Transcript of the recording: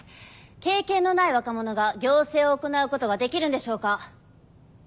経験のない若者が行政を行うことができるんでしょうか。